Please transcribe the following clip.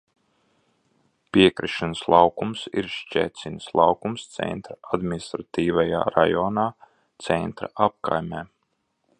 Piekrišanas laukums ir Ščecinas laukums Centra administratīvajā rajonā, Centra apkaimē.